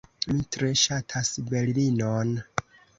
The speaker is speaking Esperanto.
Mi tre ŝatas Berlinon.